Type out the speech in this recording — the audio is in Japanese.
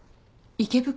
池袋？